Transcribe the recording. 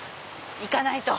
行かないと！